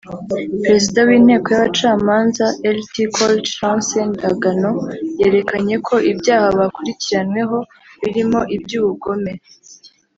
Perezida w’Inteko y’Abacamanza Lt Col Chance Ndagano yerekanye ko ibyaha bakurikiranweho birimo iby’ibyubugome